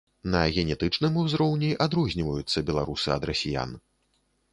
На генетычным узроўні адрозніваюцца беларусы ад расіян.